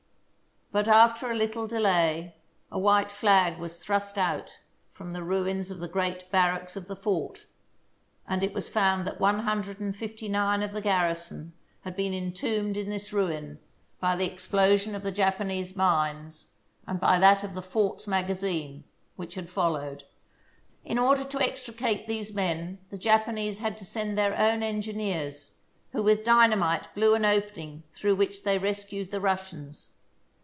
But after a little delay a white flag was thrust out from the ruins of the great barracks of the fort, and it was found that one hundred and fifty nine of the garrison had been entombed in this ruin by the explosion of the Japanese mines and by that of the fort's magazine, which had followed. In order to extricate these men the Japanese had to send their own engineers, who with dynamite blew an opening through which they rescued the Rus sians.